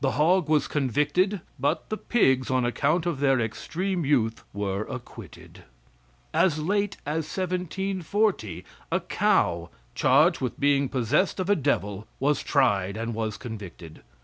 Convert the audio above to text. The hog was convicted, but the pigs, on account of their extreme youth, were acquitted. As late as 1740, a cow, charged with being possessed of a devil, was tried and was convicted.